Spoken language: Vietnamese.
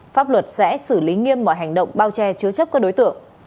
pháp luật sẽ xử lý nghiêm mọi hành động bao che chứa chấp các đối tượng